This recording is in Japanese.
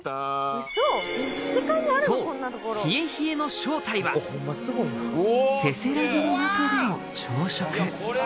そうヒエヒエの正体はせせらぎの中での朝食